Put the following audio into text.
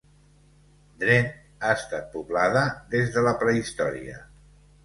Drenthe ha estat poblada des de la prehistòria.